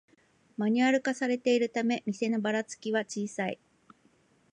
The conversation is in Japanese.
マニュアル化されているため店のバラつきは小さい